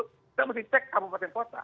kita mesti cek kabupaten kota